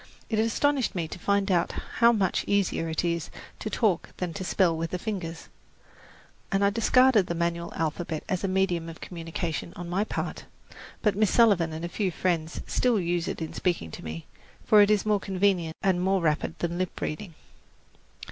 It astonished me to find how much easier it is to talk than to spell with the fingers, and I discarded the manual alphabet as a medium of communication on my part; but Miss Sullivan and a few friends still use it in speaking to me, for it is more convenient and more rapid than lip reading.